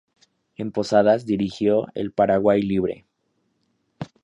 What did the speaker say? En Posadas, dirigió "El Paraguay Libre".